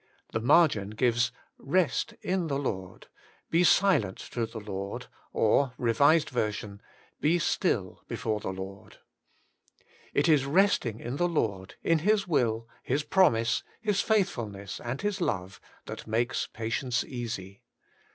The margin gives for ' Rest in the Lord/ ' Be silent to the Lord,' or R. V., * Be still before the Lord.* It is resting in the Lord, in His will, His promise, His faithfulness, and His love, that makes patience easy.